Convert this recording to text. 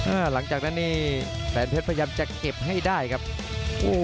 หลังจากนั้นนี่แสนเพชรพยายามจะเก็บให้ได้ครับโอ้โห